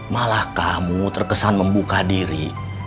malah kamu terkesan membuka diri